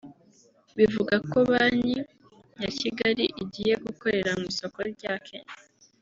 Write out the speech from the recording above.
bivuga ko kuba Banki ya Kigali igiye gukorera ku isoko rya Kenya